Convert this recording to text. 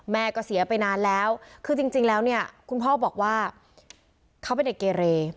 แม่ก็เสียไปนานแล้วคือจริงแล้วเนี่ยคุณพ่อบอกว่าเขาเป็นเด็กเกเร